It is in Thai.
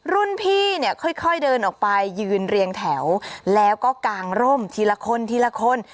รุ่นพี่เนี่ยค่อยเดินออกไปยืนเรียงแถวแล้วก็กางร่มทีละคนทีละคน